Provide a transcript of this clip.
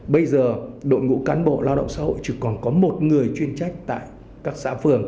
bây giờ đội ngũ cán bộ lao động xã hội chỉ còn có một người chuyên trách tại các xã phường